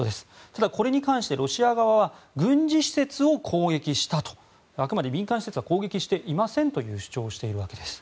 ただ、これに関してロシア側は軍事施設を攻撃したと、あくまで民間施設は攻撃していませんと主張をしているわけです。